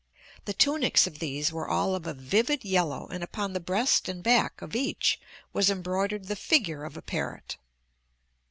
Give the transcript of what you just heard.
The tunics of these were all of a vivid yellow and upon the breast and back of each was embroidered the figure of a parrot.